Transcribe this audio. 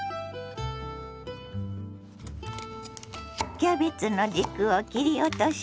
キャベツの軸を切り落とします。